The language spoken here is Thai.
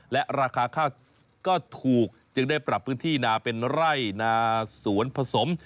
และราคาข้าวก็ถูกจึงได้ปรับพื้นที่นาเป็นไร่นาสวนผสม